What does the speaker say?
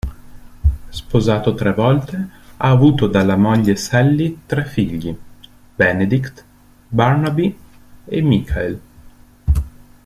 Sposato tre volte, ha avuto dalla moglie Sally tre figli: Benedict, Barnaby e Michael.